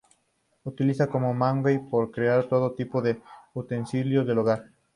Utilizan mucho el maguey para crear todo tipo de utensilios del hogar.